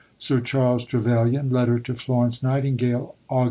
SIR CHARLES TREVELYAN (Letter to Florence Nightingale, Aug.